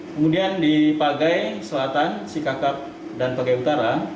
kemudian di pagai selatan sikakap dan pagai utara